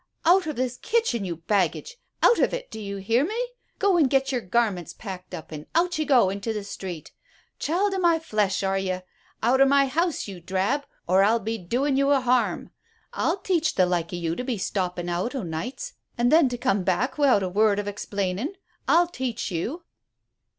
"Out of this kitchen, you baggage! Out of it, do you hear me? Go an' get your garments packed up, and out ye go into the street. Child o' my flesh, are ye? Out of my house, you drab, or maybe I'll be doing you a harm. I'll teach the like o' you to be stoppin' out o' nights an' then to come back wi'out a word of explainin'. I'll teach you."